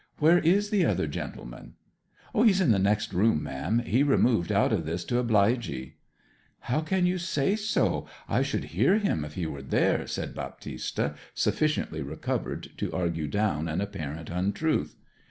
'Where is the other gentleman?' 'He's in the next room, ma'am. He removed out of this to oblige 'ee.' 'How can you say so? I should hear him if he were there,' said Baptista, sufficiently recovered to argue down an apparent untruth.